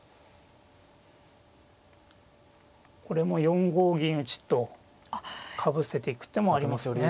これも４五銀打とかぶせていく手もありますね。